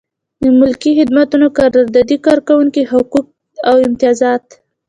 د ملکي خدمتونو قراردادي کارکوونکي حقوق او امتیازات.